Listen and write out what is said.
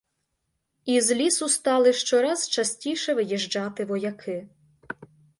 Із лісу стали щораз частіше виїжджати вояки.